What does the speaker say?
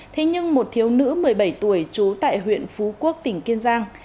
thế nhưng một thiếu nữ một mươi bảy tuổi trú tại huyện phú quốc tỉnh kiên giang